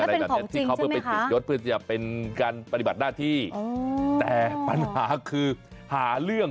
อะไรแบบนี้ที่เขาเพื่อไปติดยศเพื่อจะเป็นการปฏิบัติหน้าที่แต่ปัญหาคือหาเรื่อง